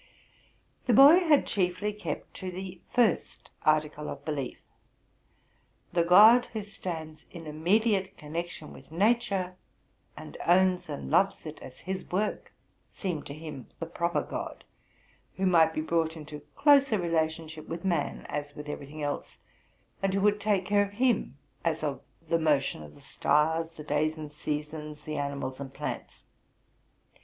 The boy had chiefly kept to the first article of belief. The God who stands in immediate connection with nature, and owns and loves it as his work, seemed to him the proper God, who might be brought into closer relationship with man, as with every thing else, and who would take care of him, as of the motion of the stars, the days and seasons, the animals and plants.